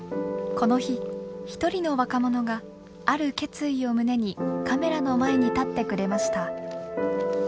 この日一人の若者がある決意を胸にカメラの前に立ってくれました。